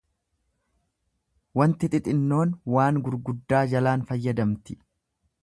Wanti xixinnoon waan gurguddaa jalaan fayyadamti.